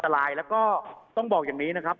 แล้วก็ต้องบอกอย่างนี้นะครับ